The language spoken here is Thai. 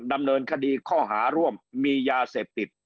ดำเนินคดีข้อหาร่วมมียาเสพติด